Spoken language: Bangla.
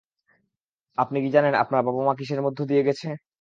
আপনি কি জানেন আমার বাবা-মা কিসের মধ্য দিয়ে গেছে?